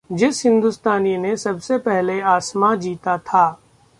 जिस हिंदुस्तानी ने सबसे पहले आसमां जीता था...